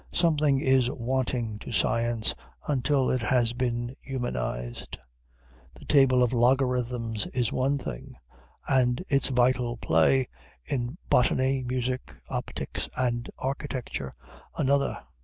Something is wanting to science, until it has been humanized. The table of logarithms is one thing, and its vital play, in botany, music, optics, and architecture, another.